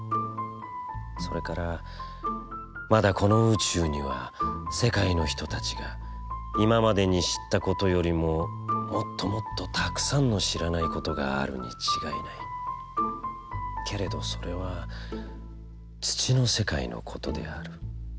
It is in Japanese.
それからまだこの宇宙には世界の人達が今迄に知つた事よりももつともつと沢山の知らない事があるに違ない、けれどそれは土の世界のことである。